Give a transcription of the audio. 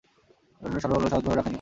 মেরুদণ্ড সরল ও সহজভাবে রাখাই নিয়ম।